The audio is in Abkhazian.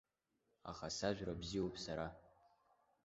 Аха сажәра бзиоуп сара!